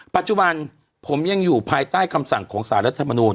ปัจจุบันผมยังอยู่ภายใต้คำสั่งของสารรัฐมนูล